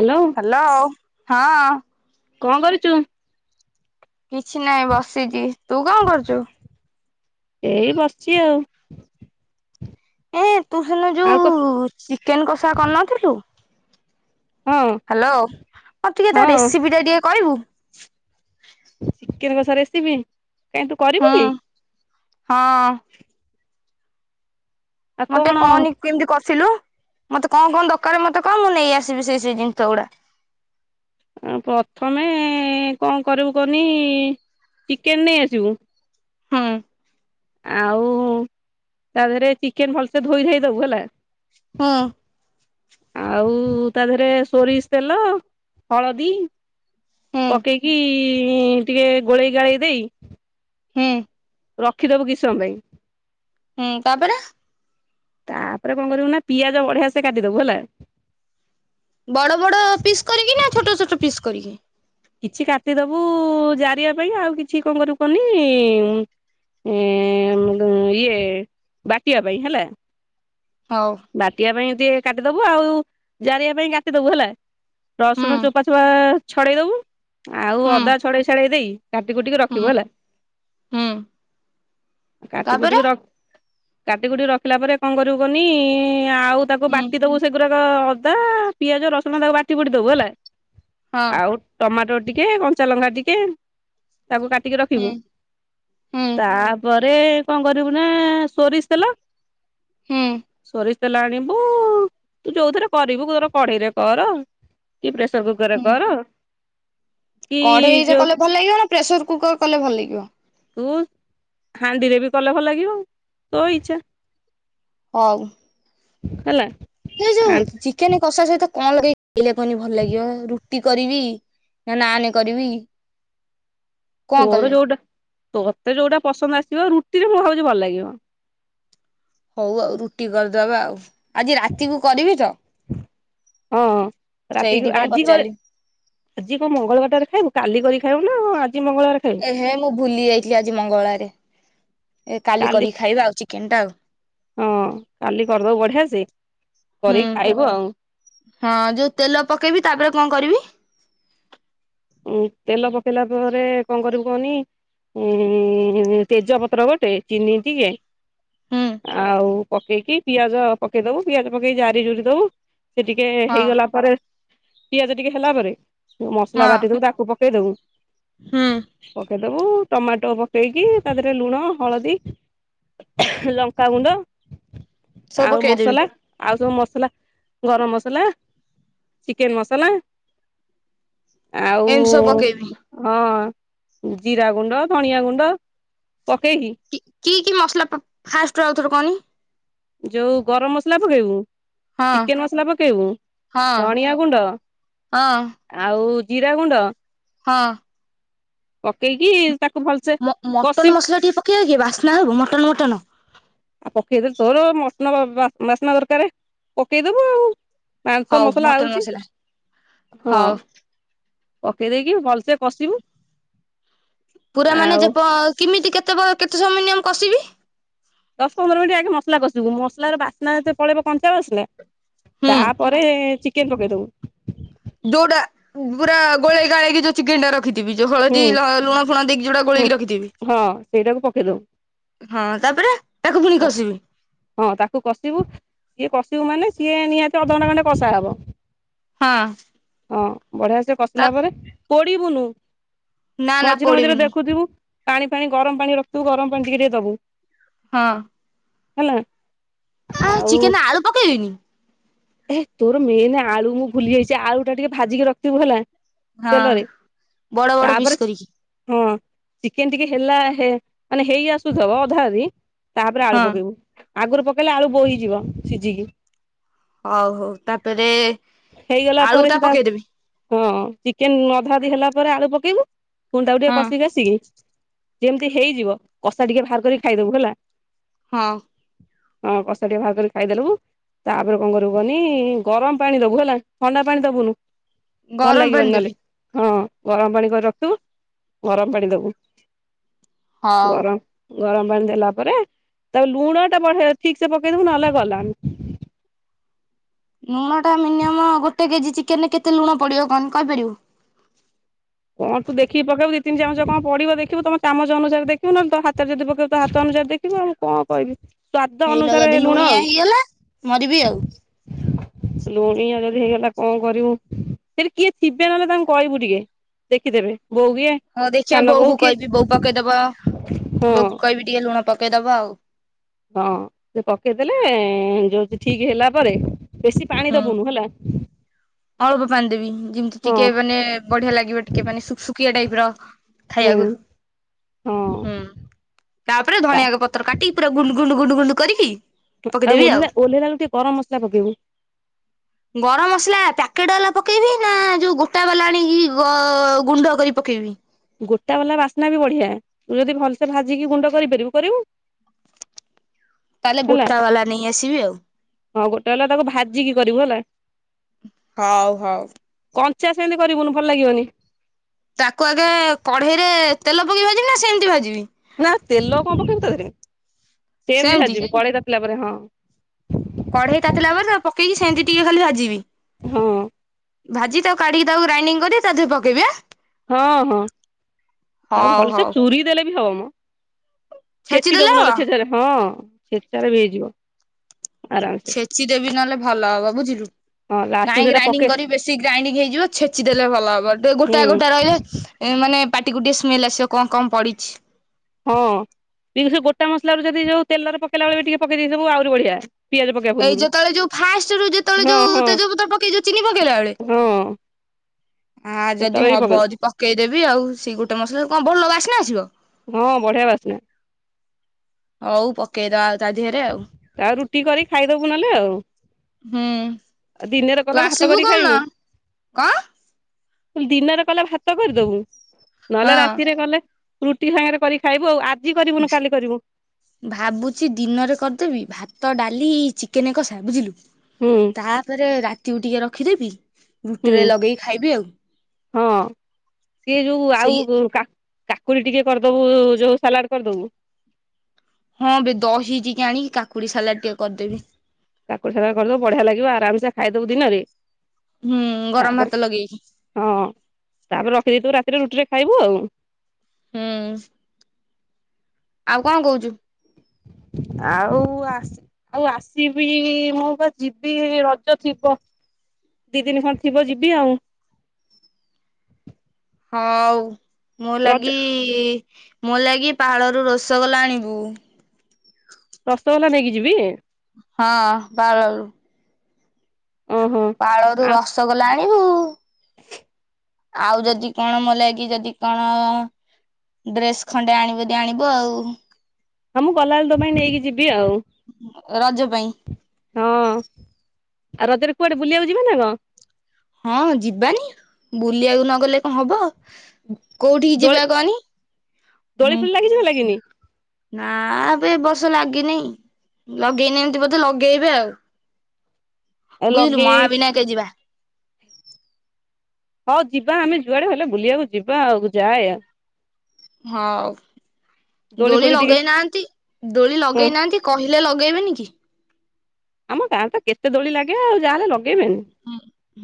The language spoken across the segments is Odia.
ହାଲୋ। ହାଲୋ ହଁ। କଣ କରୁଚୁ? କିଛି ନାହିଁ ବସିଛି ତୁ କଣ କରୁଛୁ? ଏଇ ବସଚି ଆଉ। ଏ ତୁ ସେଦିନ ଆଉ କ ଯୋଉ ଚିକେନ କଷା କରିନଥିଲୁ ହଁ ହାଲୋ ମତେ ଟିକେ ତା ହଁ ରେସିପି ଟା ଟିକେ କହିବୁ? ଚିକେନ କଷା ରେସିପି କାହିଁ ତୁ କରିବୁ କି? ହଁଅଁ। ଆଉ ହଁ ଟିକେ କଣ କଅନି? କେମିତି କସିଲୁ ମତେ କଣ କଣ ଦରକାର ମତେ କଅ ମୁଁ ନେଇ ଆସିବି ସେଇ ସେଇ ଜିନିଷ ଗୁଡା। ଆ ପଥମେ କଣ କରିବୁ କଅନି ଚିକେନ ନେଇ ଆସିବୁ। ହୁଁ ଆଉ ତା ଦେହରେ ଚିକେନ ଭଲସେ ଧୋଇଧାଇ ଦବୁ ହେଲା। ହଁଅଁ। ଆଉ ତା ଦେହରେ ସୋରିଷ ତେଲ ହଳଦୀ ହୁଁ ପକେଇକି ଟିକେ ଗୋଳେଇ ଗାଳେଇ ଦେଇ ହୁଁ। ରଖିଦବୁ କିଛି ସମୟ ପାଇଁ। ହୁଁ ତାପରେ? ତାପରେ କଣ କରିବୁ ନା ପିଆଜ ବଢିଆ ସେ କାଟିଦବୁ ହେଲା। ବଡ଼ ବଡ଼ ପିସ୍ କରିକି ନା ଛୋଟ ଛୋଟ ପିସ୍ କରିକି। କିଛି କାଟିଦବୁ ଜାରିବା ପାଇଁ ଆଉ କିଛି କଣ କରିବୁ କହନି ଏଁ ଇଏ ବାଟିବା ପାଇଁ ହେଲା। ହଉ। ବାଟିବା ପାଇଁ ଟିକେ କାଟିଦବୁ ଆଉ ଜାରିବା ପାଇଁ କାଟିଦବୁ ହେଲା। ହୁଁ ରସୁଣ ଚୋପା ଛୋପା ଛଡ଼େଇ ଦବୁ ଆଉ ହୁଁ ଅଦା ଛଡ଼େଇ ଛାଡ଼େଇ ଦେଇ କାଟିକୁଟି କି ରଖିବୁ ହୁଁ ହେଲା ହୁଁ କାଟି କୁଟି ତାପରେ କି ରଖ କାଟିକୁଟି ରଖିଲା ପରେ କଣ କରିବୁ କନି ଆଉ ତାକୁ ହୁଁ ବାଟି ଦବୁ ସେଗୁରାକ ଅଦା ପିଆଜ ରସୁଣ ତାକୁ ବାଟି ବୁଟି ଦବୁ ହେଲା ହଁ ଆଉ ଟମାଟୋର ଟିକେ କଞ୍ଚାଲଙ୍କା ଟିକେ ତାକୁ କାଟିକି ରଖିବୁ ହୁଁ ହୁଁ ତା ପରେ କଣ କରିବୁ ନା ସୋରିଷ ତେଲ ହୁଁ। ସୋରିଷ ତେଲ ଆଣିବୁ ତୁ ଯୋଉଥିରେ କରିବୁୁ ତୋର କଡେଇରେ କର କି ପ୍ରେସର କୁକର ରେ ହୁଁ କର କି କଢେଇରେ ଯୋଉ କଲେ ଭଲ ଲାଗିବ ନା ପ୍ରେସର କୁକର କଲେ ଭଲ ଲାଗିବ। ତୁ ହାଣ୍ଡିରେ ବି କଲେ ଭଲ ଲାଗିବ ତୋ ଇଛା। ହଉ। ହେଲା। ସେଇ ଯୋଉ ଆ ଚିକେନ କଷା ସହିତ କଣ ଲଗେଇକି ଖାଇଲେ କହନି ଭଲ ଲାଗିବ ରୁଟି କରିବି ନା ନାନେ କରିବି? କଣ ତୋର କଲେ? ଯୋଉଟା ତୋତେ ଯୋଉଟା ପସନ୍ଦ ଆସିବ ରୁଟିରେ ମୁଁ ଭାବଛି ଭଲ ଲାଗିବ। ହଉ ଆଉ ରୁଟି କରିଦବା ଆଉ ଆଜି ରାତିକୁ କରିବି ତ। ହଁ ରାତିକୁ ସେଇଥିପାଇଁ ଆଜି କ ପଚାରିଲି ଆଜି କଣ ମଙ୍ଗଳବାରଟାରେ ଖାଇବୁ କାଲି କରି ଖାଇବୁ ନା ଆଜି ମଙ୍ଗଳବାରେ ଏ ହେ ମୁଁ ଭୁଲି ଯାଇଥିଲି ଆଜି ମଙ୍ଗଳାରେ ଏ କାଲି କରିକି ଖାଇବା ଆଉ ଚିକେନ ଟା ଆଉ। ହଁ କାଲି କରିଦବୁ ବଢିଆ ସେ ହୁଁ କରିକି ଖାଇବୁ ଆଉ। ହଁ ଯୋଉ ତେଲ ପକେଇବି ତାପରେ କଣ କରିବି? ଉଁ ତେଲ ପକେଇଲା ପରେ କଣ କରିବୁ କହନି ଉଁ ତେଜପତ୍ର ଗୋଟେ ଚିନି ଟିକେ ହୁଁ ଆଉ ପକେଇକି ପିଆଜ ପକେଇ ଦବୁ ପିଆଜ ପକେଇକି ଜାରି ଜୁରି ଦବୁ। ସେ ଟିକେ ହଁ ହେଇଗଲା ପରେ ପିଆଜ ଟିକେ ହେଲା ପରେ। ମ ସଲା ହଁ ବାଟି ଦବୁ ତାକୁ ପକେଇ ଦବୁ। ହୁଁ। ପକେଇଦବୁ ଟମାଟୋ ପକେଇକି ତା ଦେହରେ ଲୁଣ ହଳଦୀ ଲଙ୍କାଗୁଣ୍ଡ ସବୁ ଆଉ ପକେଇଦେବି ମସଲା। ଆଉ ସବୁ ମସଲା ଗରମ ମସଲା, ଚିକେନ ମସଲା। ଏମିତି ସବୁ ଆଉ ପକେଇବି ହଁ ଜିରା ଗୁଣ୍ଡ ଧଣିଆ ଗୁଣ୍ଡ ପକେଇକି ଟିକି କି ମସଲା ଫାଷ୍ଟରୁ ଆଉଥର କହନି। ଯୋଉ ଗରମ ମସଲା ପକେଇବୁ। ହଁ ଚିକେନ ମସଲା ପକେଇବୁ ହଁ ଧଣିିଆ ଗୁଣ୍ଡ। ହଁ ଆଉ ଜିରା ଗୁଣ୍ଡ। ହଁ। ପକେଇକି ତାକୁ ଭଲ ମ-ମଟନ୍ ମସଲା ଟିକେ ପକେଇବା କି ବାସ୍ନା ହେବ ମଟନ୍ ମଟନ। ଆଉ ପକେଇଦବ ତୋର ମଟନ ବା-ବାସ୍ନା ଦରକାର ପକେଇଦବୁ ଆଉ। ମାଂସ ହଉ ମସଲା ମଟନ ଆଉଛି ମସଲା ହଁ। ହଉ ପକେଇ ଦେଇକି ଭଲସେ କସିବୁ। ପୁରା ମାନେ ଯେ ପ କେମିତି କେତେ କେତେ ସମୟ ମିନିମମ କଷିବି? ଦଶ ପନ୍ଦର ମିନିଟ୍ ଆଗେ ମସଲା କସିବୁ ମସଲାର ବାସ୍ନା ଯେତେ ପଳେଇବ କଞ୍ଚା ବାସ୍ନା ହୁଁ ତାପରେ ଚିକେନ ପକେଇ ଦବୁ। ଦୌଡ ପୁରା ଗୋଳେଇ ଗାଳିଗି ଯୋଉ ଚିକେନ ର ରଖିଥିବି ଯଉ ହୁଁ ହଳଦୀ ଲ ଲୁଣ ଫୁଣ ଦେଇକି ଯଉଟା ହୁଁ ଗୋଳେଇକି ରଖିଥିବି। ହଁ ସେଇଟାକୁ ପକେଇ ଦବୁ। ହଁ ତାପରେ ତାକୁ ପୁଣିି କଷିବି। ହଁ ତାକୁ କଷିବୁ ସିଏ କସିବୁ ମାନେ ସିଏ ନିହାତି ଅଧେ ଘଣ୍ଟା ଖଣ୍ଟେ କଷାହବ। ହଁ। ହଁ ବଢିଆ ସେ ତା କଷିଲା ପରେ ପୋଡିବୁନୁ। ନା ନା ମଝିରେ ମଝିରେ ପୋଡିବିନି ଦେଖୁଥିବୁ ପାଣି ଫାଣି ଗରମ ପାଣି ରଖିଥିବୁ ଗରମ ପାଣି ଟିକେ ଟିକେ ଦବୁ। ହଁ। ହେଲା ଆ ଆଉ ଚିକେନ ଆଳୁ ପକେଇ ବିନି? ଏ ତୋର ମେନ ଆଳୁ ମୁଁ ଭୁଲି ଯାଇଛି ଆଳୁ ଟା ଟିକେ ଭାଜିକି ରଖିଥିବୁ ହେଲା। ହଁ। ତେଲରେ ବଡ ବଡ ପିସ୍ ତାପରେ କରିକି। ହଁ। ଚିକେନ ଟିକେ ହେଲା ହେ ମାନେ ହେଇ ଆସୁଥବ ଅଧା ଅଧୀ ତାପରେ ଆଳୁ ହଁ। ପକେଇବୁ। ଆଗରୁ ପକେଇଲେ ଆଳୁ ବୋହିଯିବ ସିଝିକି। ହଉ ହଉ ତାପରେ ହେଇଗଲା ଆଳୁ ପରେ ଟା ସେ ତା ପକେଇଦେବି। ହଁ ଚିକେନ ଅଧା ଅଧୀ ହେଲା ପରେ ଆଳୁ ପକେଇବୁ। ପୁଣି ତାକୁ ଟିକେ ହଁ। କଷି କାସିକି ଯେମିତି ହେଇଯିବ କଷା ଟିକେ ବାହାର କରିକି ଖାଇଦବୁ ହେଲା। ହଁ। ହଁ କଷା ଟିକେ ବାହାର କରି ଖାଇଦେଲୁବୁ ତାପରେ କଣ କରିବୁ କନି ଗରମ ପାଣି ଦବୁ। ହେଲା ଥଣ୍ଡା ପାଣି ଦେବୁନୁ ଭଲ ଗରମ ପାଣି ଲାଗିବନି ନହେଲେ। ଦେବି। ହଁ ଗରମ ପାଣି କରି ରଖୁଥିବୁ ଗରମ ପାଣି ଦବୁ ହଉ ଗରମ ଗରମ ପାଣି ଦେଲା ପରେ ତା ଲୁଣ ଟା ବଡ ଠିକ ସେ ପକେଇଦବୁ ନହେଲେ ଗଲାନ ଲୁଣ ଟା ମିନିମମ୍ ଗୋଟେ କେଜି ଚିକେନ ରେ କେତେ ଲୁଣ ପଡିବ କନି କହିପାରିବୁ? କଣ ତୁ ଦେଖିକି ପକେଇବୁ ଦି ତିନି ଚାମଚ କଣ ପଡିବ ଦେଖିବୁ ତମ ଚାମଚ ଅନୁସାରେ ଦେଖିବୁ ନ ହେଲେ ତୋ ହାତରେ ଯଦି ପକେଇବୁ ତୋ ହାତ ଅନୁସାରେ ଦେଖ ଖିବୁ ଆଉ କଣ କହିବି ସ୍ଵାଦ ହେଇଲୋ ଅନୁସାରେ ଯଦି ଲୁଣ ଲୁଣିଆ ଆଉ। ହେଇଗଲା ମରିବି ଆଉ। ଲୁଣିଆ ଯଦି ହେଇଗଲା କଣ କରିବୁ ସେଠି କିଏ ଥିବେ ନହେଲେ ତାଙ୍କୁ କହିବୁ ଟିକେ। ଦେଖିଦେବେ ବୋଉ ବି ଏ ହଁ ଦେଖିବା ବୋଉ କୁ କଇବି ବୋଉ ପକେଇଦବ ହଁ ବୋଉ କୁ କହିବି ଟିକେ ଲୁଣ ପକେଇଦବ ଆଉ। ହଁ ସେ ପକେଇଦେଲେ ଯୋଉ ସେ ଠିକି ହେଲା ପରେ ବେଶି ପାଣି ହୁଁ ଦବୁନୁ ହେଲା। ଅଳ୍ପ ପାଣି ଦେବି ଯେମିତି ହଁ ଟିକେ ମାନେ ବଢିଆ ଲାଗିବ ଟିକେ ମାନେ ସୁୁଖ ଶୁଖିଆ ଟାଇପ ର ହୁଁ ଖାଇବାକୁ ହଁ। ହୁଁ ତାପରେ ତା ଧଣିଆକୁ ପତ୍ର କାଟିକି ପୁରା ଗୁଣ୍ଡୁ ଗୁଣ୍ଡ ଗୁଣ୍ଡ ଗୁଣ୍ଡୁ କରିକି ଆଉ ଓଲ୍ହେଇଲା ଓଲ୍ହେଇଲାବେଳ କୁ ଟିକେ ଗରମ ମସଲା ପକେଇବୁ। ଗରମ ମସଲା ପ୍ୟାକେଟ୍ ବାଲା ପକେଇବି ନା ଯୋଉ ଗୋଟା ବାଲା ଆଣିକି ଗ ଗୁଣ୍ଡ କରି ପକେଇବି? ଗୋଟା ବାଲା ବାସ୍ନା ବି ବଢିଆ ତୁ ଯଦି ଭଲସେ ଭାଜିକି ଗୁଣ୍ଡ କରିପାରିବୁ କରିବୁ। [unintelligible] ତାହେଲେ ହେଲା ଗୋଟା ବାଲା ନେଇ ଆସିବି ଆଉ। ହଁ ଗୋଟାବାଲା ତାକୁ ଭାଜିକି କରିବୁ ହେଲା। ହଉ ହଉ। କଞ୍ଚା ସେମିତି କରିବୁନୁ ଭଲ ଲାଗିବନି। ତାକୁ ଆଗେ କଢେଇରେ ତେଲ ପକେଇ ଭାଜିବି ନା ସେମିତି ଭାଜିବି? ନା ତେଲ କଣ ପକେଇବୁ ତାଧେରେ ସେମତି ସେମିତି ଭାଜିବୁ କଢେଇ ତାତିିଲା ପରେ ହଁ। କଢେଇ ତାତିଲା ପରେ ତାକୁ ପକେଇକି ସେମିତି ଟିକେ ଖାଲି ଭାଜିବି। ହଁ ଭାଜିକି ତାକୁ କାଢିକି ତାକୁ ଗ୍ରାଇଣ୍ଡିଙ୍ଗ କରି ତାଧେରେ ପକେଇବି ଆଁ। ହଁ ହଁ ତାକୁ ହଉ ଭଲସେ ହଉ। ଚୁରି ଦେଲେ ବି ହବ ମଁ। ଛେଚି ଦେଲେ ଦବୁ ହବ ନହେଲେ ଛେଚାରେ ହଁ ଛେଚାରେ ବି ହେଇଯିବ। ଆରାମସେ ଛେଚି ଦେବି ନହେଲେ ଭଲ ହବ ବୁଝିଲୁ। ହଁ ଲାଷ୍ଟକୁ କାଇଁ ସେଇଟା ଗ୍ରାଇଣ୍ଡିଙ୍ଗ ପକେ କରିବି ବେଶୀ ଗ୍ରାଇଣ୍ଡିଙ୍ଗ ହେଇଯିବ ଛେଚି ଦେଲେ ଭଲ ହବ ଦେ ହୁଁ ଗୋଟାଏ ଗୋଟାଏ ରହିଲେ ଏ ମାନେ ପାଟିକୁ ଟିକେ ସ୍ମେଲ ଆସିବ କଣ କଣ ପଡ଼ିଛି। ହଁ ଟିକେ ସେ ଗୋଟା ମସଲା ରୁ ଯଦି ଯୋଉ ତେଲରେ ପକେଇଲା ବେଳେ ବି ଟିକେ ପକେଇ ଦେଇଥିବୁ ଆହୁରି ବଢିଆ। ପିଆଜ ପକେଇବା ଏଇ ପୂର୍ବରୁ। ଯେତେବେଳେ ଯୋଉ ଫାଷ୍ଟରୁ ଯେତେବେଳେ ହଁ ଯୋଉ ହଁ ତେଜପତ୍ର ପକେଇଛୁ ଚିନି ପକେଇଲା ବେଳେ! ହଁ ଆ ଯଦି ସେତେବେଳେ ବି ହବ ପକେଇବୁ ଯଦି ପକେଇଦେବି ଆଉ। ସେଇ ଗୋଟା ମାସଲାରୁ କଣ ଭଲ ବାସ୍ନା ଆସିବ? ହଁ ବଢିଆ ବାସ୍ନା। ହଉ ପକେଇଦବା ଆଉ ତା ଦିହରେ ଆଉ। ଆଉ ରୁଟି କରି ଖାଇଦବୁ ନହେଲେ ଆଉ ଆଉ ହୁଁ ଦିନରେ କଲେ ତୁ ଭାତ ଆସିବୁ କରି କଉନ, ଖାଇବୁ କଁ? ଦିନରେ କଲେ ଭାତ କରିଦବୁ, ନହେଲେ ହଁ ରାତିରେ କଲେ ରୁଟି ସାଙ୍ଗରେ କରିକି ଖାଇବୁ ଆଉ ଆଜି କରିବୁନ କାଲି କରିବୁ। ଭାବୁଛି ଦିନରେ କରିଦେବି ଭାତ ଡାଲି ଚିକେନ କଷା ବୁଝିଲୁ! ହୁଁ। ତାପରେ ରାତିକୁ ଟିକେ ରଖିଦେବି ରୁଟିରେ ହୁଁ ଲଗେଇ ଖାଇବି ଆଉ ହଁ ସିଏ ଯୋଉ ସେଇ ଆଉ କାକ କାକୁଡି ଟିକେ କରିଦବୁ ଯୋଉ ସାଲାଡ କରିଦବୁ। ହଁ ବେ ଦହି ଟିକେ ଆଣିକି କାକ୍ କୁଡ଼ି ସାଲାଡ୍ ଟିକେ କରିଦେବି। କାକୁଡି ସାଲାଡ କରିଦବୁ ବଢିଆ ଲାଗିବ ଆରାମ ସେ ଖାଇଦବୁ ଦିନରେ। ହୁଁ ଗରମ ତାପରେ ଭାତ ଲଗେଇକି ସ ହଁ ତାପରେ ରଖିଦେଇଥିବୁ ରାତିରେ ରୁଟିରେ ଖାଇବୁ ଆଉ। ହୁଁ। ଆଉ କଣ କହୁଛୁ? ଆଉ ଆସି ଆଉ ଆସିବି ମୁଁ ବା ଯିବି ଏଇ ରଜ ଥିବ। ଦି ଦିନି ଖଣ୍ଡେ ଥିବ ଯିବି ଆଉ। ହଉ ମୋ ରଜ ଲାଗି ମୋ ଲାଗି ପାହାଳରୁୁ ରସଗୋଲା ଆଣିବୁ। ରଶ ଗେଲା ନେଇକି ଯିବି। ହଁ ବାଳଳୁ। ଓହୋ ପାଳରୁୁ ଆ ରସଗୋଲା ଆଣିବୁ। ଆଉ ଯଦି କଣ ମୋ ଲାଗି ଯଦି କଣ? ଡ୍ରେସ୍ ଖଣ୍ଡେ ଆଣିବୁ ଯଦି ଆଣିବୁ ଆଉ ହଁ ମୁଁ ଗଲାବେଳେ ତେ ପାଇଁ ନେଇକି ଯିବି ଆଉ ରଜ ପାଇଁ। ହଁ ଆଉ ରଜରେ କୁଆଡେ ବୁଲିବାକୁ ଯିବେ ନା କଣ? ହଁ ଯିବାନି ବୁଲିବାକୁ ନଗଲେ କଣ ହବ? କୋଉଠିିକି ଯିବା କହନି ହୁଁ? କିଛି ଭ ଲାଗି ନି। ନା ବେ ଏ ବର୍ସ ଲାଗିନିଁ। ଲଗେଇନାହାନ୍ତି ବୋଧେ ଲଗେଇବେ ଆଉ ଆଉ ବୁଝିଲୁ ଲଗେଇ ମହାବିନାୟକ ଯିବା। ହଉ ଯିବା ଆମେ ଯୁଆଡେ ହେଲେ ବୁଲିବାକୁ ଯିବା ଆଉ ଯାଏ ଆଉ ହଁ ଦୋଳି ଦେଳି ଫୋଳି ଟିକେ ଲଗେଇନାହାନ୍ତି ଦେଳି ହଁ ଲଗେଇନାହାନ୍ତି। କହିଲେ ଲଗେଇବେନି କି? ଆମ ଗାଁ ତ କେତେ ଦୋଳି ଲାଗେ ଯାହା ହେଲେ ଲଗେଇବେନି।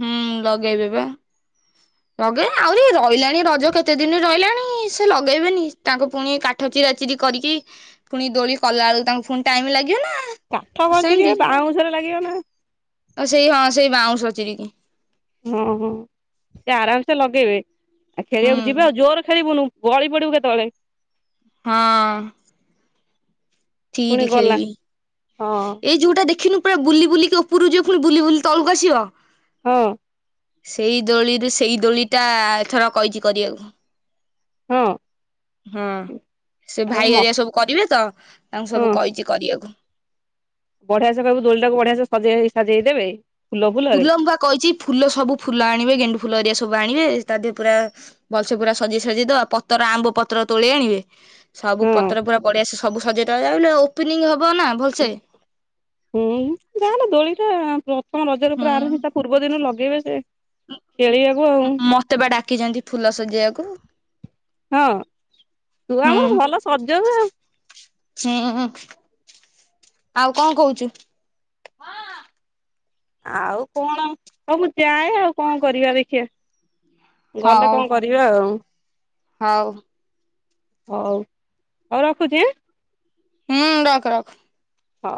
ହୁଁ ଲଗେଇବେ ପା। ଲଗେଇଵେନି ଆହୁରି ରହିଲାଣି ରଜ କେତେ ଦିନି ରହିଲାଣି ସେ ଲଗେଇବେନି ତାଙ୍କୁ ପୁଣି କା ଚିରାଚିରି କରିକି ପୁଣି ଦୋଳି କଲାବେଳକୁ ତାଙ୍କୁ ପୁଣି ଟାଇମ ଲାଗିବ ନା କଠକଣଚିରିବେ ସେମିତି ବାଉଁଶ ଷରେ ଲାଗିବ ନା? ଆଉ ସେଇ ହଁ ସେଇ ବାଉଁଶ ଚିରି କି। ହଁ ହଁ ସେ ଆରାମେସେ ଲଗେଇବେ ହୁଁ ଖେଳିବାକୁ ଯିବା ଜୋର ଖେଳିବୁନୁ। ଗଳି ପଡ଼ିବୁ କେତୋଳେ। ହଁ। ପୁଣି ଥିରି ଗଲା ଖେଳିବି ହଁ ଏଇ ଯୋଉଟା ଦେଖିନୁ ପୁରା ବୁଲି ବୁଲିକି ଓପୁରୁ ଯିବ ପୁଣି ବୁଲି ବୁଲି ତଳକୁ ଆସିବ। ହଁ। ସେଇ ଦୋଳିରୁ ସେଇ ଦୋଳି ଟା ଏଥର କହିଚି କରିବାକୁ। ହଁ ହଁ ସେ ଆରେ ଭାଇ ମ ହେରିକା ସବୁ କରିବେ ତ ତାଙ୍କୁ ହଁ ସବୁ କହି କିଛି କରିବାକୁ। ବଢିଆ ସେ କହକୁ ଦୋଳି ଟାକୁ ବଢିଆ ସେ ସଜେଇ ସଜେଇ ଦେବେ। ଫୁଲ ମୁଁ ପା କହିଚି ଫୁଲ ସବୁ ଫୁଲ ଆଣିବେ ଗେଣ୍ଡୁ ଫୁଲ ହେରିକା ସବୁ ଆଣିବେ ତାଦିହ ପୁରା ଭଲସେ ପୁରା ସଜେଇ ସଜିଇ ଦବା ପତର ଆମ୍ବ ପତ୍ର ତୋଳି ଆଣିବେ। ସବୁ ହଁ ପତ୍ର ପୁରା ପଡିଆସେ ସବୁ ସଜେଇ ଦବା ଓପନିଂଙ୍ଗ୍ ହବ ନା ଭଲ ହୁଁ ଯାନୁ ଦୋଳିଖେଳା ଯାଆନ୍ତୁ। ମୁଁ ରଜରେ ଆରମ୍ଭ ହୁଁ। ତା ପୂର୍ବ ଦିନ ଲଗେଇବେ ଯେ ଖେଳିବାକୁ ଆଉ ମତେ ପା ଡାକିଚନ୍ତି ଫୁଲ ସଜେଇବାକୁ। ହଁ ତୁ ହୁଁ ଆମର ଭଲ ସଜଉ ଆଉ ହୁଁ ଆଉ କଣ କହୁଛୁ? ଆଉ କଣ ହଉ ମୁଁ ଯାଏ ଆଉ କଣ କରିବା ଦେଖିବା ଗଲେ ହଉ କଣ କରିବା? ଦିବା ଆଉ ହଉ। ହଉ ହଉ ରଖୁଚି। ହୁଁ ରଖ ରଖ। ହଁ।